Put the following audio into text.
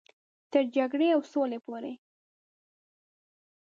تر جګړې او سولې پورې.